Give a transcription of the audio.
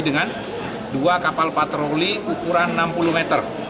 dengan dua kapal patroli ukuran enam puluh meter